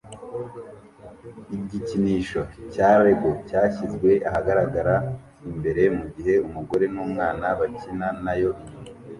Igikinisho cya lego cyashyizwe ahagaragara imbere mugihe umugore numwana bakina nayo inyuma